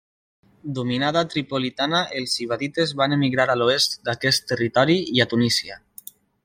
Dominada Tripolitana els ibadites van emigrar a l'oest d'aquest territori i a Tunísia.